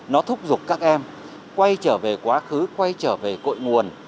nó thúc giục các em quay trở về quá khứ quay trở về cội nguồn